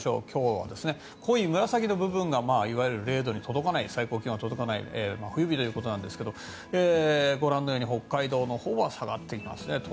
今日は濃い紫の部分がいわゆる０度に届かない最高気温が届かない真冬日ということですがご覧のように北海道のほうは下がっていますね。